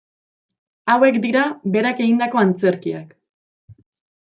Hauek dira berak egindako antzerkiak.